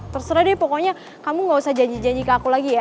terserah deh pokoknya kamu gak usah janji janji ke aku lagi ya